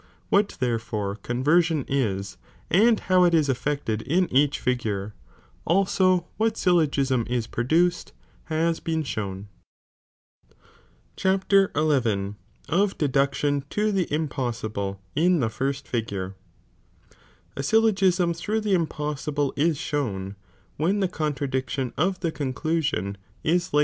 What therefore con version is, and how it is elTected in eacJi figure, also what syllogism is produced, has been shown. CuAP. XI. — Of Deduction to the Impouible in ihejirst Figure. 1, Howijiio ^ SYLLOGISM through the impossible is shown, KUmi^diw when the contradiction of the conclusion is laid ■'havii.